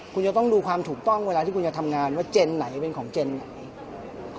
คุณจะต้องดูความถูกต้องเวลาที่คุณจะทำงานว่าเจนไหนเป็นของเจนไหน